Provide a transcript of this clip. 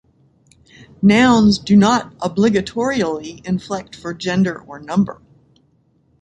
Nouns do not obligatorially inflect for gender or number.